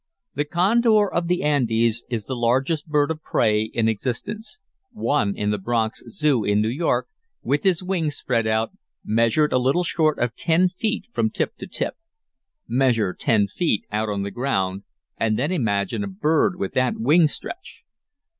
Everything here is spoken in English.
The condor of the Andes is the largest bird of prey in existence. One in the Bronx Zoo, in New York, with his wings spread out, measured a little short of ten feet from tip to tip. Measure ten feet out on the ground and then imagine a bird with that wing stretch.